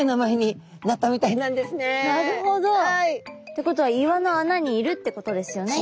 ってことは岩の穴にいるってことですよね。